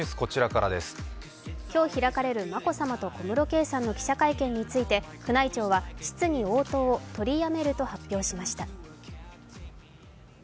今日開かれる眞子さまと小室圭さんの記者会見について宮内庁は質疑応答をとりやめると発表しました。